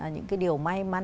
những cái điều may mắn